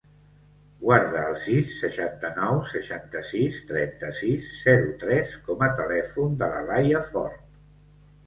Guarda el sis, seixanta-nou, seixanta-sis, trenta-sis, zero, tres com a telèfon de la Laia Fort.